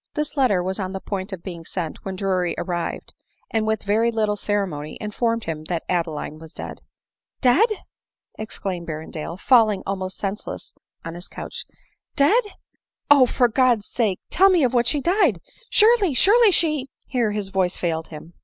This letter was on the point of being sent when Drury arrived, and with very little ceremony, in ^ formed him that Adeline was dead. ••" Dead ?" exclaimed Berrendale, falling almost sense * less on his couch ;—" Dead !— Oh ! for God's sake, tell me of what she died !— Surely, surely, she —" Here * his voice failed him.